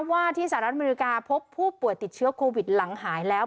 ว่าที่สหรัฐอเมริกาพบผู้ป่วยติดเชื้อโควิดหลังหายแล้ว